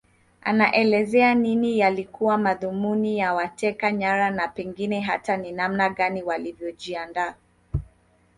Anaelezea nini yalikuwa madhumuni ya wateka nyara na pengine hata ni namna gani walivyojiandaa